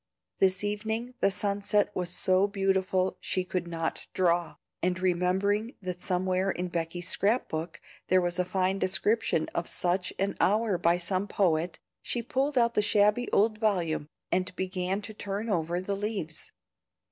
This evening the sunset was so beautiful she could not draw, and remembering that somewhere in Becky's scrap book there was a fine description of such an hour by some poet, she pulled out the shabby old volume, and began to turn over the leaves.